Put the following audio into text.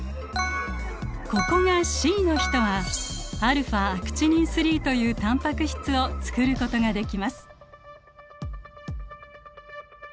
ここが「Ｃ」の人はαアクチニン３というタンパク質をつくることができます。